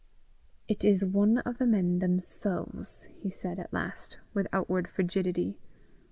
"It is one of the men themselves," he said at last, with outward frigidity.